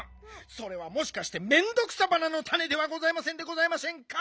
それはもしかしてメンドクサバナのたねではございませんでございませんか？